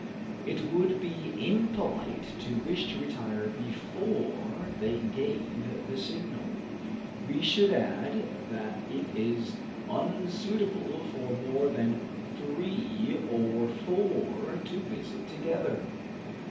It would be impolite to wish to retire before they gave the signal. We should add, that it is unsuitable for more than three or four to visit together.